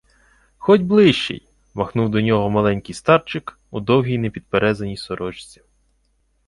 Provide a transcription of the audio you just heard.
— Ходь ближчій, — махнув до нього маленький старчик у довгій непідперезаній сорочці.